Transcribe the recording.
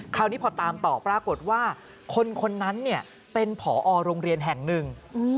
คราวนี้พอตามต่อปรากฏว่าคนนั้นเป็นผอโรงเรียนแห่งหนึ่ง